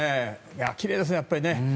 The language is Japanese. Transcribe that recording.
きれいですね、やっぱり。